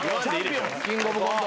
キングオブコント。